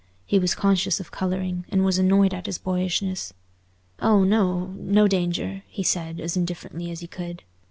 He was conscious of colouring, and was annoyed at his boyishness. "Oh no, no danger," he said as indifferently as he could.